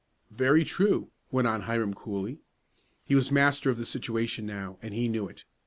"Very true," went on Hiram coolly. He was master of the situation now, and he knew it.